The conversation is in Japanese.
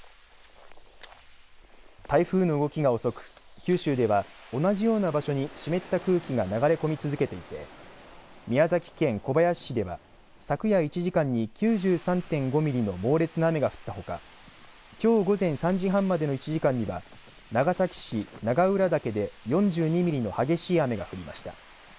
台風の動きが遅く、九州では同じような場所に湿った空気が流れ込み続けていて宮崎県小林市では昨夜１時間に９３．５ミリの猛烈な雨が降ったほかきょう午前３時半までの１時間には長崎市長浦岳で４２ミリの激しい雨が降りました。